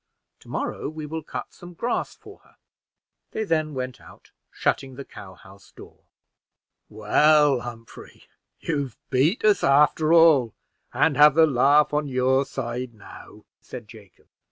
To morrow we will cut some grass for her." They then went out, shutting the cow house door. "Well, Humphrey, you've beat us after all, and have the laugh on your side now," said Jacob.